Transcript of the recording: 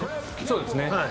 そうですね。